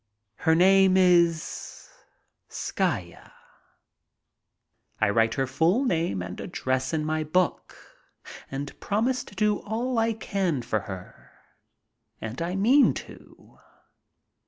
Her name is "Skaya." I write her full name and address in my book and promise to do all I can for her. And I mean to.